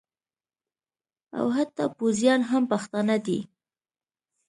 او حتی پوځیان هم پښتانه دي